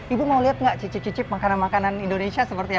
ibu mau lihat nggak cicip cicip makanan makanan indonesia seperti apa